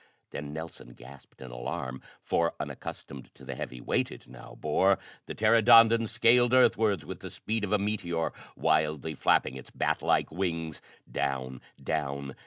Then Nelson gasped in alarm, for, unaccustomed to the heavy weight it now bore, the pteranodon scaled earthwards with the speed of a meteor, wildly flapping its bat like wings. Down! Down!